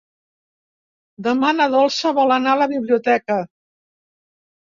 Demà na Dolça vol anar a la biblioteca.